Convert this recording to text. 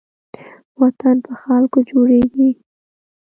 وطن په خلکو جوړېږي